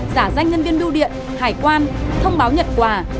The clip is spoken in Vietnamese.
giả danh nhân viên biêu điện hải quan thông báo nhận quà